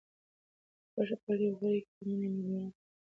غوښه په لویو غوریو کې په مینه مېلمنو ته راوړل شوه.